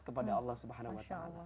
kepada allah swt